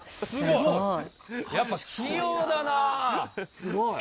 すごい。